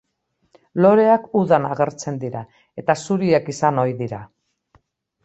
Loreak udan agertzen dira eta zuriak izan ohi dira.